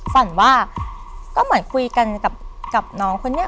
ฝันว่าก็เหมือนคุยกันกับน้องคนนี้